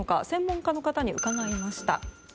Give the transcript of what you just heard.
専門家の方に伺いました。